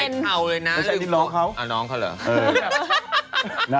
น้องไงน้องแบบเซนลายเซนอ๋อน้องเขาเหรอ